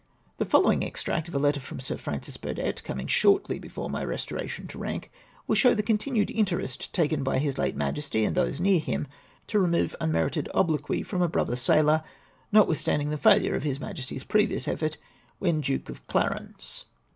The following extract of a letter from Sir Francis Burdett, coming shortly before my restoration to rank, will show the continued interest taken by His late Majesty and those near him to remove unmerited obloquy from a brother sailor, notwith standing the failure of His Majesty's previous effort when Duke of Clarence.